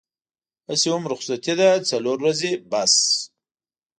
هسې هم رخصتي ده څلور ورځې بس.